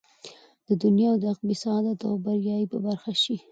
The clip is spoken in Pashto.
د دنيا او عقبى سعادت او بريا ئې په برخه شي